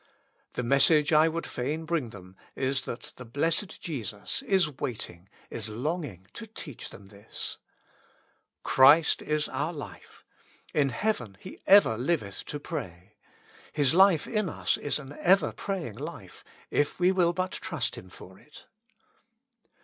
The message I would fain bring them is that the blessed Jesus is waiting, is longing, to teach them this. Christ is our Hfe ; in heaven He ever liveth to pray ; His life in us is an ever praying life, if we will but trust Him for it.